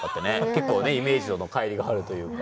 結構ねイメージとのかい離があるというか。